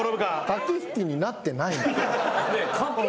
駆け引きになってない全然。